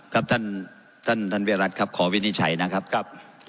ครับท่านเวียรัฐครับขอวินิจฉัยนะครับ